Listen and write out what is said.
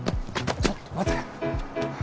ちょっと待て。